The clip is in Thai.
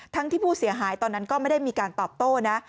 ที่ผู้เสียหายตอนนั้นก็ไม่ได้มีการตอบโต้นะ